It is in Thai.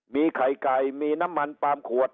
มีไข่ไก่มีน้ำมันปาล์มขวด